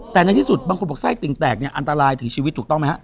แต่ในที่สุดบางคนบอกไส้ติ่งแตกเนี่ยอันตรายถึงชีวิตถูกต้องไหมฮะ